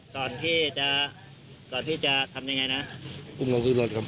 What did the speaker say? ก่อนที่จะก่อนที่จะทำยังไงนะอุ้มเขาขึ้นรถก่อน